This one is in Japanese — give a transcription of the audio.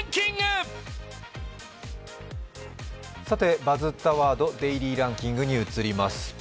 さて、「バズったワードデイリーランキング」に移ります。